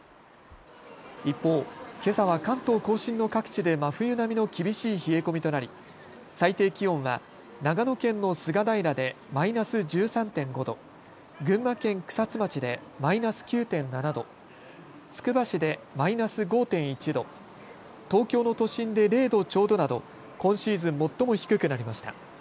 一方、けさは関東甲信の各地で真冬並みの厳しい冷え込みとなり最低気温は長野県の菅平でマイナス１３．５度、群馬県草津町でマイナス９．７度、つくば市でマイナス５．１度、東京の都心で０度ちょうどなど今シーズン最も低くなりました。